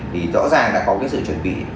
thì rõ ràng đã có cái sự chuẩn bị